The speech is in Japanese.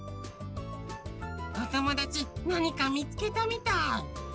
おともだちなにかみつけたみたい。